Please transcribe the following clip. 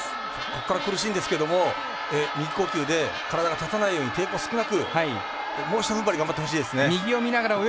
ここから苦しいんですけども右呼吸で体が立たないように抵抗少なく、もうひとふんばり頑張ってほしいですね。